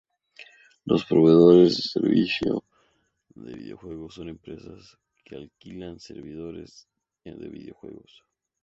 Los proveedores de servidores de videojuegos son empresas que alquilan servidores de videojuegos.